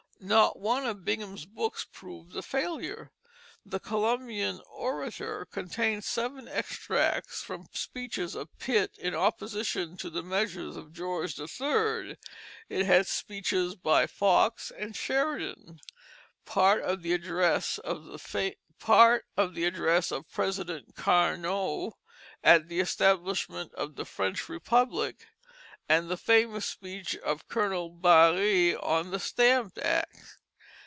Not one of Bingham's books proved a failure. The Columbian Orator contained seven extracts from speeches of Pitt in opposition to the measures of George III., it had speeches by Fox and Sheridan, part of the address of President Carnot at the establishment of the French Republic, and the famous speech of Colonel Barré on the Stamp Act.